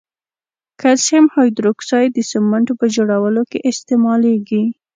کلسیم هایدروکساید د سمنټو په جوړولو کې استعمالیږي.